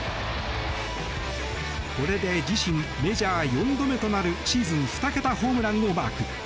これで自身メジャー４度目となるシーズン２桁ホームランをマーク。